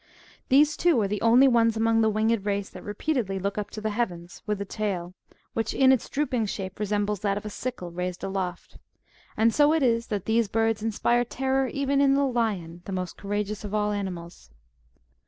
These, too, are the only ones among the winged race that repeatedly look up to the heavens, with the tail, which in its drooping shape re sembles that of a sickle, raised aloft : and so it is that these birds inspire terror even in the lion,'^^ the most courageous of all animals.